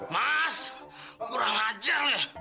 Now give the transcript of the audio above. mas kurang ajar lu